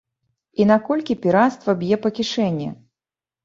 І наколькі пірацтва б'е па кішэні?